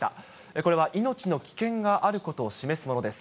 これは命の危険があることを示すものです。